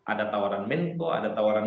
ada tawaran menko ada tawaran